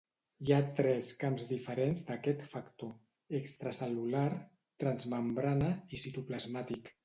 Hi ha tres camps diferents d'aquest factor: extracel·lular, transmembrana i citoplasmàtic.